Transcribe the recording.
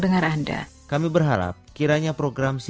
karena ku berterai dari sobatku